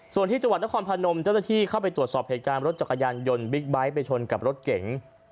ส่วนที่จังหวัดนครพนมเจ้าหน้าที่เข้าไปตรวจสอบเหตุการณ์รถจักรยานยนต์บิ๊กไบท์ไปชนกับรถเก๋ง